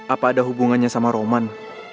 apa ada hubungannya sama roman